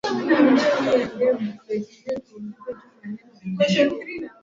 usiana na matukio hayo na kwamba ishirini na saba kati yao